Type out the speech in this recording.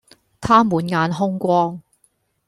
他滿眼兇光，